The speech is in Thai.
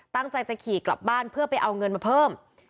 ตั้งใจจะขี่กลับบ้านเพื่อไปเอาเงินมาเพิ่ม